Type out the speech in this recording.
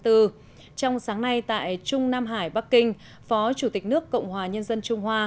trong sáng nay tại trung nam hải bắc kinh phó chủ tịch nước cộng hòa nhân dân trung hoa